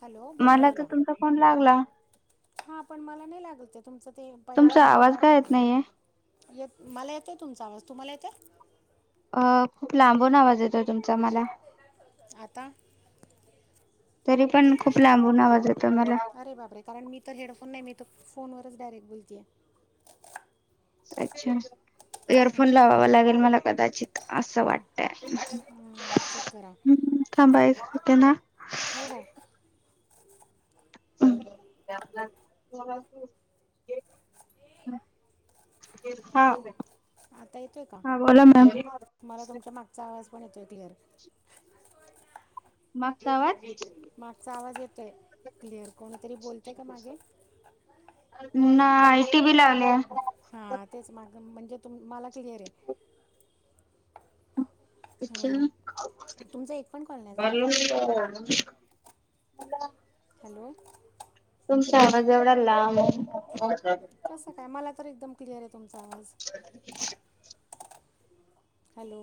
Hello बोला मला तर तुमचा फोन लागला. हा पण मला नाही लागल ते तुमचं ते पाहिजे तर तुमचा मी हे आवाज काय येत पाठवते नाहीये येत मला येतंय तुमचा आवाज तुम्हाला येते अ खूप लांबून आवाज येतो तुमचा मला आता तरी पण खूप लांबून आवाज य अरे बापरे कारण मी तर हेडफोन नाही मी तर फोनवरच डायरेक्ट बोलतेय अच्छा इयरफोन लावावा लागेल मला कदाचित असं वाटत आहे चेक करा हम् चां बाय होते ना हो हो त्या हा आता येतोय का बोला मॅम मला मला तुमच्या मागचा आवाज पण येतोय क्लिअर मागसा वाात मागचा आवाज येतोय क्लिअर कोणतरी बोलतय का मागे ना आयटी बी म्हणजेु मला क्लिअर आहे ब हम्म. तुमचा एक पण कॉल नाही झाला मता का हॅलो तुमच्या हॅ आम जेवढा लांब कसं काय मला तर एकदम क्लियर आहे तुमच हॅलो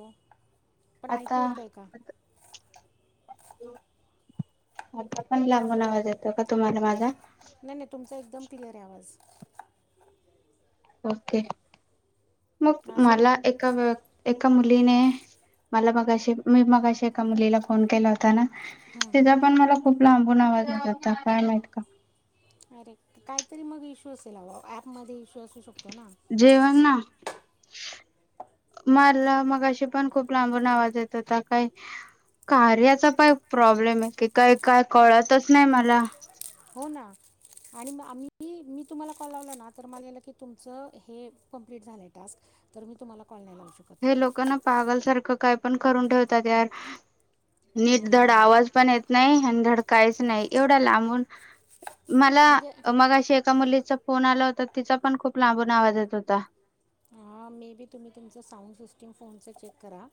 पण आता ऐकू येतोय का आता पण लांब नावाज यातो का तुम्हाला माझा नाही नाही तुमचा एकदम क्लिअर आवाज ओके मग माझा मला एका एका मुलीने मला मग अशी मी मग अशी एका मुलीला फोन केला होता ना तिचा पण मला खूप लांबून आवाज येत होता काय माहित का अरे काहीतरी मग इशू असेल ऍप मध्ये इशू असू शकतो ना मारला मगाशी पण खूप लांबून आवाज येत होता काय कार्याचा काय प्रॉब्लेम आहे की काही काय कळतच नाही मला हो ना आणि मग आम्ही म तला कॉल लावताना म कम्पलिट त हेप् झालंय टास्क तर हि तुम्हाला कॉल नाही लावू शकत हे लोकांना पागलसारखं काय पण करून ठेवतात यार नीटधड हम्म. आवाज पण येत नाही आणिधड काहीच नाही एवढा लांबून मला म्हणजे मग अशी एका मुली त फोन आला होता तिचा पण खूप लांबून आवाज येत होता हा मे बी तुम्ही तुमच साउंड सिस्टम फोन चेक करा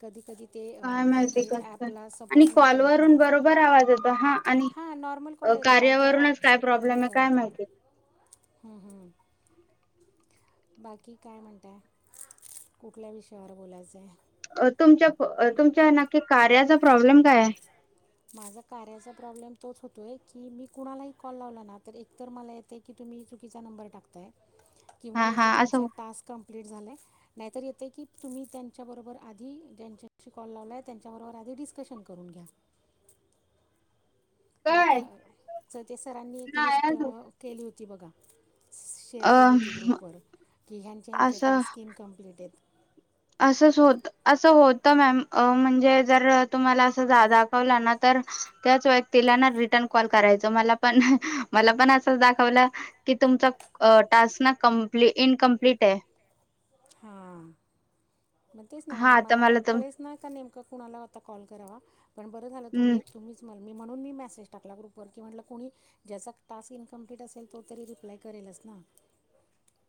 कधी कधी ते काय अं, काही काही मझिकच ॲपला आणि सपोर्ट नाही करत कॉलवररून ना बरोबर आवाज येत हा आणि हां नॉर्मल कॉल येतो काही काही कार्यावरूनच काय प्रॉब्लेम आहे काय माहिती हम्म हम्म बाकी काय म्हणताय कुठल्या विषयावर बोलायचंय अ तुमच्या तुमच्या नक्की कार्याचा प्रॉब्लेम काय आहे माझा कार्याचा प्रॉब्लेम तोच होतोय की मी कुणाला कॉल लावला ना तर मला येत चुकीचा नंर टाक किंवा हा हा त्यां असं टास्क कम्पलिट झालाय नाहीतर येते की तुम्ही त्यांच्याबरोबर आधी ज्यांच्याशी कॉल लावलाय त्यांच्याबरोबर आधी डिस्कशन करून गॅस तर आता काय सतिश सरांनी एक नाही लिस्ट अजून केली होती बघा शेअर अ केली होती ग्रुप वर की ह्यांच्या ह्यांचे टास्क इन्कम्प्लीट आहेत अस होत अस होत मॅम म्हणजे जर तुम्हाला अस जा दाखवलं ना व्यक् क करा म म पण असा. तुम टास् ना इनकमप्लीट आहे. हा. मग तेच ना म्हणजे हा तर मला काही तर कळेच ना का नेमका कुणाला आता कॉल करावा पण ब हम्म [unintelligible] मी म्हणून मी मेसेज टाकला ग्रुपर की म्हटलं कणी ज्याचा टस्क इ्कम्प्ट असेल तो तरी रप्यराेला असस ना. [unintelligible]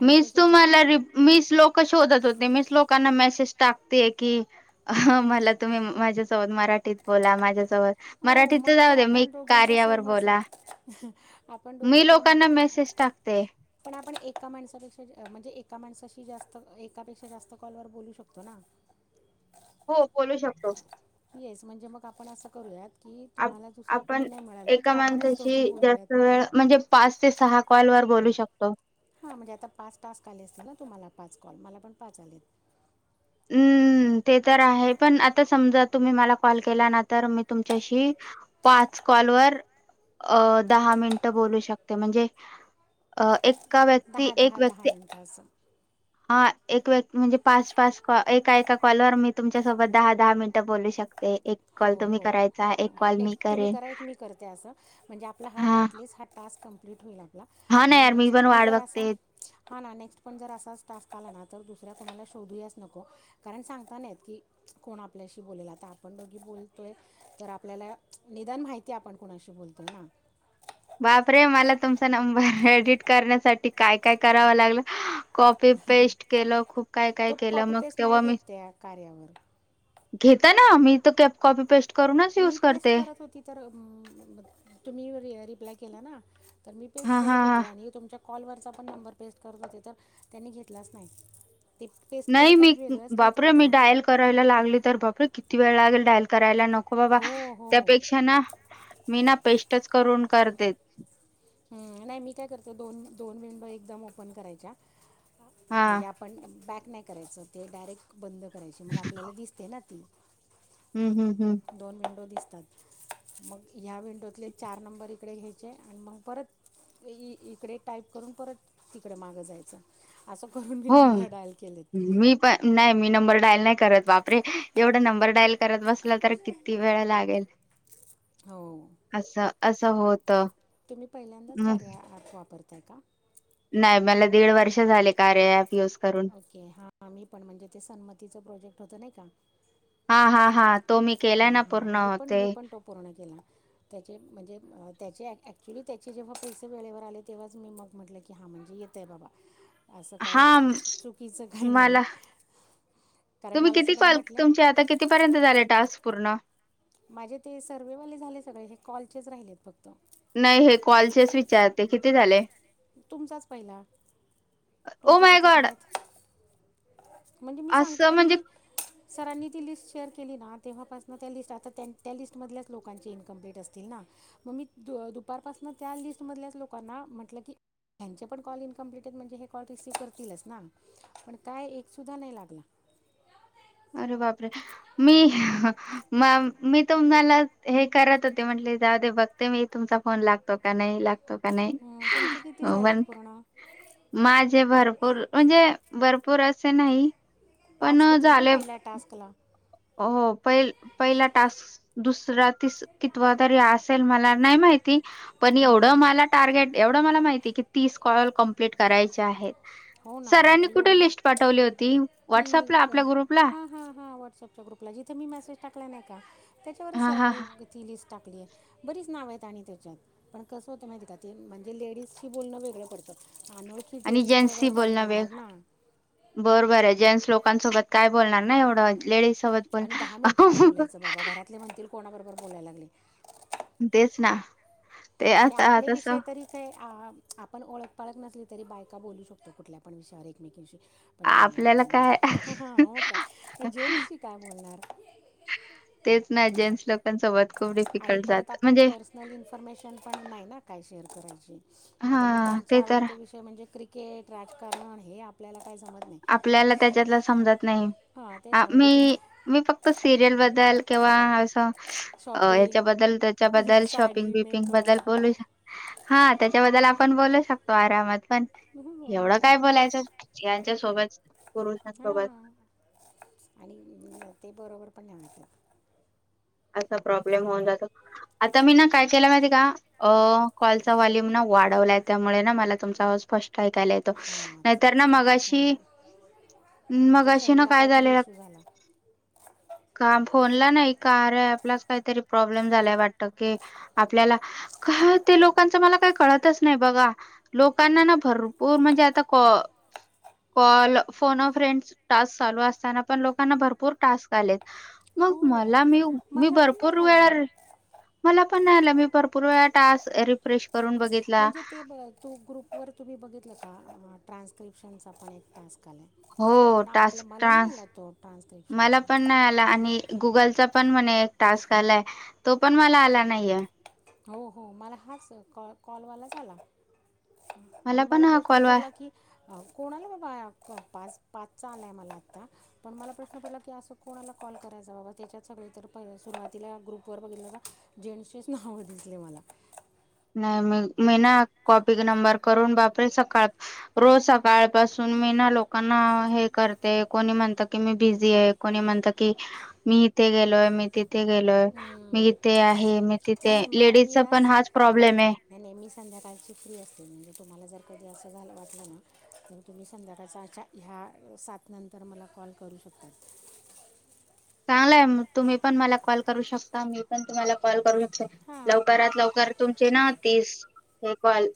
आणि मीस कसं होते तुम्हाला मि शलोक शोधत होते मी शलोकांना मेसेज टाकते की मला तुम्ही माझ्या मराठीत बो माझ्या हो मग तर आपण दोघींच कार्यावर सेमच बोला आहे आपण दोघी पण मग शेष टाकते. पण आपण एक एका माणसापेक्षा म्हणजे एका माणसाशी जास्त एकापेक्षा जास्त कॉलवरर बोलू शकतो ना. हो बोलू शकतो. येस म्हणजे मग आपण असं करूयात की आप तुम्हाला दुसरं कोणी आपण नाही मिळालं एका तर आपणच दोघी माणसाशी जास्त बोलूयात वेळ म्हणजे पाच ते सहा कॉल वर बोलू शको. शकतो. हा म्हणजे आता पाच टास्क आले असतील ना तुम्हाला पाच कॉल मला पण पाच आलेत. हम्म. ते तर आहे पण आ समजा तुम्ही मला कॉल केला मी तुमच्याशी पाच कॉलवरर दहा मिनट बोलू शकते म्हणजे एक का व्यक्ती दहा एक दहा दहा व्यक्ती मिनटाचं हा एक व्यक्ती म्हणजे पाच पाच कॉ एका एका कॉलवर मी तुमच्यासोबत दहा दहा मिनटं बोलू शकतो. हो हो मी तुम्ही करेन करा एक मी करते अस म्हणजे आपला हाटस् हा टास्क कं्प्लीट होईल आपला हा ना आणि यार मी नेक्स्ट पण वाट जर असा बघते हा ना नेक्स्ट ण जर असाच टासताला ना तर दुसऱ्या कोणाला शोधू नको कारण सांगता नाही की कोण आपल्या ब आता आपण ो आपल्याला निदान माहिती आपण कणाशी बोलतो ना. बापरे मला तुमचा नंबर एडिट करण्यासाठी काय काय करावं लागलं. कॉपी पेस्ट केलं खूप काय काय तो केलं कॉपी मग पेस्ट तेव्हा नाही मी घेत त्या कार्यावर घेता ना मी तर कॅप कॉपी पेस्ट करूनच मी युज पेस्ट करते करत होती तर तुम्ही रिप्लाय केला ना. तर मी हा पेस्ट हा करत हा होते आणि तुमच्या कॉलवरचा पण नंबर पेस्ट करत होते तर त्यांनी घेतलाच नाही. ते पेस्ट केलं नाही का मी वेगळंच काहीतरी बापरे येतं मी मग डायल करायला लागली तर बापरे किती वेळ लागेल डायल करायला नको. हो बाबा त्यापेक्षा ना मी ना पेस्टच करून करते. हं नाही मी काय करते दोन दोन विंडो एकदम ओपन करायच्या हा म्हणजे आपण बॅक नाही करायचं ते डायरेक्ट बंद करायची मग आपल्याला दिसते ना ती हम्म हम्म हम्म दोन विन्डो दिसत. मग ह्या विंडोतले चार नंबर इकडे घ्यायचे आणि मग परत इकडे टाईप करून परत तिकडे मागं जायचं. असं करून मी होय नंबर डायल केलेत मी पण नाही मी नंबर डायल नाही करत बापरे एवढा नंबर डायल करत बसला तर किती वेळ लागेल. हो असं. तुम्ही पहिल्यांदाच कार्या ऍप वापरताय का? नाही मला दीड वर्षें झाले कार्य ऍप युज करून ओके हा मी पण म्हणजे ते सन्मतीच प्रोजेक्ट होत नाही का? हा हा हा. तो मी ह, हा केला ना पूर्ण मी पण, होते मी पण, तो पूर्ण केला. त्याचे म्हणजे अ त्याचे ॲक्च्युली त्याचे जेव्हा पैसे वेळेवर आले म्हणले की तेंव्हाच मी म्हणले की, हा येतय बाबा. असं हा काय म- चुकीचं काही नाही आहे. मला कारण तुम्ही मला किती सगळे कॉल, म्हटले तुमचे आता कितीपर्यंत झाले टास्क पूर्ण? माझे ते सर्व्हेवाले झाले सगळे, हे कॉलचेच राहिलेत फक्त. नाही हे कॉलचेच विचारते किती झाले? तुमचाच पहिला, ओ तुमचे माय किती गॉड झालेत? म्हणजे मी सांगते असं काय म्हणजे मी सरांनी ती लिस्ट शेअर केली ना, तेव्हापासन त्या लिस्ट आता त्या-त्या लिस्टमधल्या लोकांची इनकंम्प्लिट असतील ना. मग मी दुपार पासन त्या लिस्ट मधल्याच लोकांना म्हटल की त्यांचे पण कॉल इनकंम्प्लिट आहेत, म्हणजे हे कॉल रिसीव्ह करतीलच ना, पण काय एक सुद्धा नाही लागला. अरे बापरे, मी ह मी तुम्हाला हे करत होते म्हंटल जाऊदे बघते मी तुमचा फोन लागतो. का नाही लागतो. का नाही. हम तुमचे किती अं, झालेत पण पूर्ण? माझे भरपूर, म्हणजे भरपूर असे नाही. पण पाच होते ना झाले पहिल्या टास्क ला. हो पहि पहिला टास्क, दुसरा तीस कितवा तरी असेल मला नाही माहिती. पण एवढं मला टार्गेट, एवढं मला माहिती की तीस कॉल कमप्लीट करायचे आहेत. हो ना सरांनी आता कुठे एवढे लिस्ट पाठवली होती, ती व्हॉट्सअपला आपल्या ग्रुपला. च्या ग्रुपला जिथे मी मेसेज टाकला नाही का, त्याच्यावरच हा हा सरांनी हा. ती लिस्ट टाकली आहे, बरीच नाव आहेत आणि त्याच्यात, पण कसं होतं माहिती का ते, म्हणजे लेडीजशी बोलणं वेगळं पडतं. आनोळखी जेन्टस बरोबर काय बोलण वेगळ, बोलणार ना बरोबर आहे, जेन्टस लोकांसोबत काय बोलणार ना एवढं लेडीज सोबत पण आणि अ हू. कोणा बरोबर बोलायला लागले तेच ना. ते आणि आता आपले तसं विषय तरी काय अ. आपण ओळख-पाळख नसली तरी बायका बोलू शकतो, कुठल्या पण विषयावर एकमेकींशी. आपल्याला काय पण हा मग काय, जेंट्स शी काय बोलणार. तेच ना जेंट्स लोकांसोबत खूप आणि डिफिकल्ट परत जात आपण म्हणजे पर्सनल इन्फॉर्मेशन पण नाही ना काय शेअर करायची हा आता मग त्यांची ते तर आवडते विषय म्हणजे क्रिकेट, राजकारण, हे आपल्याला काय जमत नाही आपल्याला त्याच्यातल समजत नाही, हां तेच अ ना म्हणजे मी, तुम्ही मी फक्त सिरियल बद्दल. केव्हा अस. अ शॉपिंग ह्याच्याबद्दल-त्याच्याबद्दल शॉपिंग साडी बिपिंग बद्दल मेकअप बोलु शक हा त्याच्याबद्दल आपण बोलु शकतो, आरामात पण एवढं काय बोलायचं त्या सोबत हा, पुरुषांसोबत आणि ते बरोबर पण नाही वाटत. असा प्रॉब्लेम होऊन जातो, आता मी ना काय केला माहिती का कॉलचा व्हॅल्युम ना वाढवलाय. त्यामुळे ना मला तुमचा आवाज स्पष्ट ऐकायला येतो, हां तर नाहीतर ना तेच तुमच्या फोनला मगाशी तुमच्या मगाशी फोन ला काहीतरी इश्यु झाला काम फोनला नाही का कार्या ॲप ला काहीतरी प्रॉब्लेम झालाय वाटत कि, आपल्याला काय ते लोकांच मला काही का कळतंच नाही बघा, लोकांना ना भरपूर म्हणजे आता कॉल फोन व फ्रेंड टास्क चालू असताना पण लोकांना भरपूर टास्क आलेत. मग हो मला मी, मी मला पण भरपुर नाही आला वेळा, मला पण नाही आला मी भरपुर वेळा टास्क रिफ्रेश करून बघितला म्हणजे ते तो ग्रुप वर तुम्ही बघितलं क. ट्रान्स्क्रिप्शनण चा पण एक टास्क आला आहे, हो पण आपलं टास्क, मला नाही आला तो टास्क मला ट्रान्स्क्रिप्शनचा पण नाही आला आणि गुगलचा पण म्हणे एक टास्क आलाय तो पण मला आला नाहीये हो हो मला हाच कॉ कॉलवाला आला बाई आणि पण मला हा प्रश्न कॉल वा पडला की कोणाला बाबा पाच पाचचा आलाय मला आत्ता पण मला प्रश्न पडला की असं कोणाला कॉल करायचा बाबा त्याच्यात सगळे तर पहिले सुरुवातीला ग्रुप वर बघितलं जेंट्सचेच नाव भेटले मला नाही मी मी ना कॉपी नंबर करून बापरे सकाळ रोज सकाळपासून मी ना लोकांना हे करते कोणी म्हणत की मी बिझी आहे कोणी म्हणत की मी इथे गेलोय मी तिथं तेथे गेलोय मी इथे आहे मी तिथे नाही नाही म मी लेडीजचा ना पण स- हाच प्रॉब्लेम आहे नाही नाही मी संध्याकाळची फ्री असे म्हणजे तुम्हाला जर कधी असं झालं वाटलं ना तर तुम्ही संध्याकाळचा ह्या सात नंतर मला कॉल करू शकता- [inaudible] चांगलय आहे तुम्ही पण मला कॉल करू शकता मी पण तुम्हाला कॉल करू शक हां मग काय लवकरात लवकर तुमचे ना तीस एक कॉल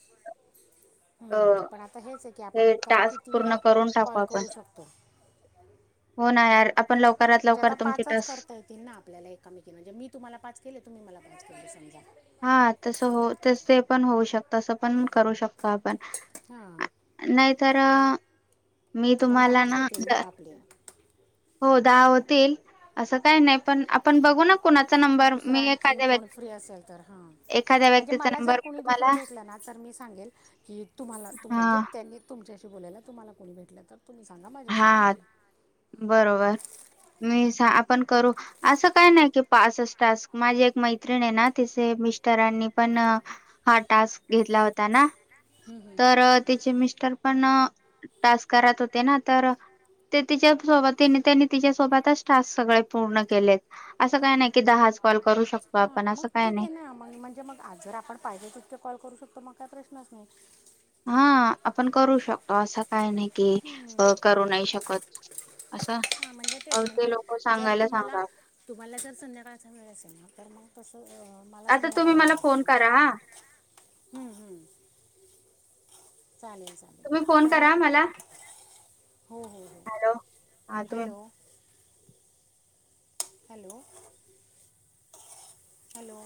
अ हम्म पण आता हेच आहे की आपण हे एकाला टास्क किती पूर्ण वेळा करून टाकू कॉल आपण करू शकतो. [inaudible] आपण लवकरात म्हणजे आता लवकर तुमची पाचच टास्क करता येतील ना आपल्याला एककामेकी म्हणजे मी तुम्हाला पाच केले तुम्ही मला पाच. त समजा हा तस हो तसे पण होऊ शकत असं पण करू शकतात. पण हां नाही तर मी पण तुम्हाला दहाच ना होतील मग आपले हो दहा होतील असं काही नाही पण आपण बघु ना कुणाचा नंबर दुसरं मी आणखीन एखाद्या कोण फ्री असेल तर हां व्यक्ती एखाद्या म्हणजे व्यक्ती मला जर को दुसर भेटलं ना तर मी सांगेल क तुम्हाला म्हणजे हा त्यांनी तुमच्याशी बोलायला तुम्हाला कोणी भेटलं तर तुम्ही सांगा माझ्याशी हा बोलायला बरोबर मी आपण करू असं काय नाही की पाच च टास्क माझी एक मैत्रिणी आहे ना तिचे मिस्ट रांनी पण हा टास्क घेतला होता ना. तर तिचे मिस्टर पण टास्क करत होते ना तर ते तिच्या सोबतीने त्यांनी तिच्यासोबतच टास्क सगळे पूर्ण केलेत असं काय नाही की दहा कॉल करू शकतो हां आपण मग असं काय ठीक नाही. आहे ना मग म्हणजे मग जर आपण पाहिजे तितके कॉल करू शकतो मग काय प्रश्नच नाही. हा आपण करू शकतो असं काय नाही की हम्म. करू नाही शकत. असं हां म्हणजे तेच अ ते म्हणजे लोक जर सांगायला तुम्हाला, सांगा तुम्हाला जर संध्याकाळचा वेळ असेल ना तर मग तसं अं, मला आता तुम्ही संध्याकाळी मला वेळ फोन असेल करा हा. हम्म हम्म चालेल तुम्ही चालेल फोन झालेत, करा मला फोन करा मला. हॅलो, आणी तुम्ही हॅलो! हॅलो!